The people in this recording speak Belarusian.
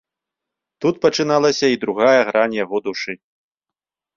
Тут пачыналася і другая грань яго душы.